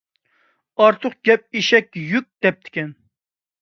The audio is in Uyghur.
«ئارتۇق گەپ ئېشەككە يۈك» دەپتىكەن.